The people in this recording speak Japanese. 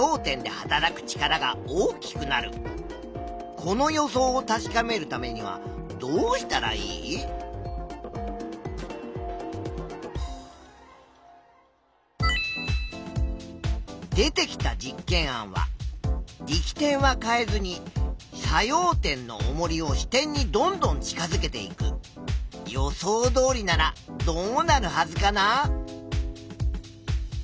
この予想を確かめるためにはどうしたらいい？出てきた実験案は力点は変えずに作用点のおもりを支点にどんどん近づけていく。予想どおりならどうなるはずかな？